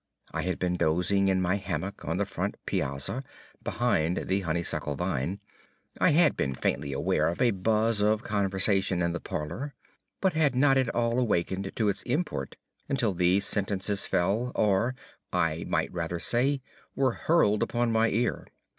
I had been dozing in my hammock on the front piazza, behind the honeysuckle vine. I had been faintly aware of a buzz of conversation in the parlor, but had not at all awakened to its import until these sentences fell, or, I might rather say, were hurled upon my ear.